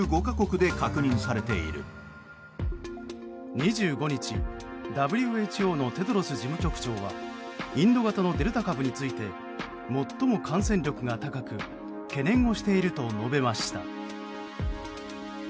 ２５日ＷＨＯのテドロス事務局長はインド型のデルタ株について最も感染力が高く懸念をしていると述べました。